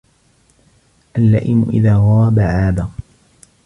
اللَّئِيمُ إذَا غَابَ عَابَ